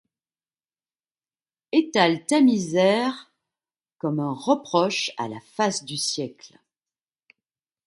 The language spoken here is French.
Étale ta misère comme un reproche à la face du siècle !